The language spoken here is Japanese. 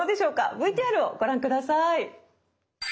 ＶＴＲをご覧下さい。